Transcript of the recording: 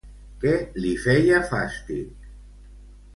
Què li feia fàstic?